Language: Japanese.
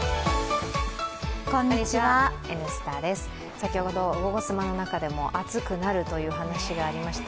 先ほど「ゴゴスマ」の中でも暑くなるという話がありました。